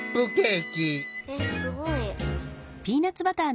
えっすごい。